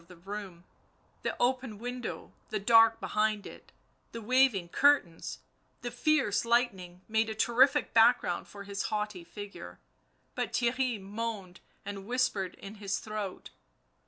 He paused in the centre of the room; the open window, the dark beyond it, the waving curtains, the fierce lightning made a terrific background for his haughty figure. But Theirry moaned and whispered in his throat.